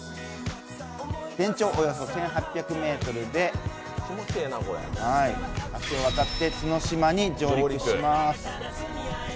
全長およそ１８００ｍで、橋を渡って角島に上陸します。